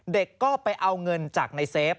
เด็กก็ไปเอาเงินจากในเซฟ